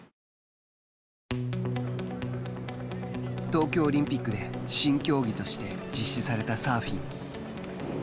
東京オリンピックで新競技として実施されたサーフィン。